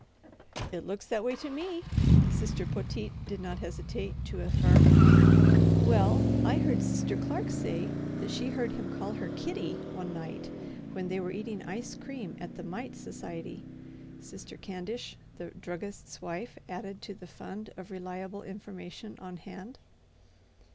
"It looks that way to me," Sister Poteet did not hesitate to affirm. "Well, I heard Sister Clark say that she had heard him call her 'Kitty' one night when they were eating ice cream at the Mite Society," Sister Candish, the druggist's wife, added to the fund of reliable information on hand.